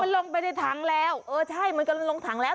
ลงไปในถังแล้วเออใช่มันกำลังลงถังแล้ว